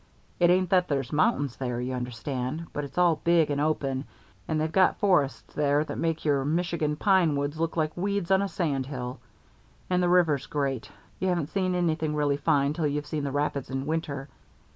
It ain't that there's mountains there, you understand, but it's all big and open, and they've got forests there that would make your Michigan pine woods look like weeds on a sandhill. And the river's great. You haven't seen anything really fine till you've seen the rapids in winter.